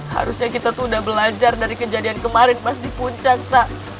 harusnya kita tuh udah belajar dari kejadian kemarin pas di puncak kak